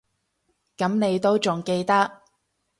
噉你都仲記得